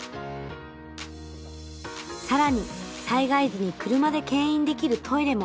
更に災害時に車でけん引できるトイレも。